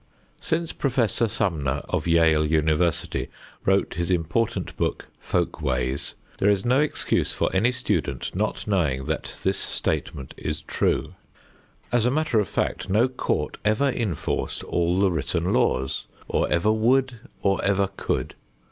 Since Professor Sumner of Yale University wrote his important book, "Folkways," there is no excuse for any student not knowing that this statement is true. As a matter of fact, no court ever enforced all the written laws, or ever would, or ever could.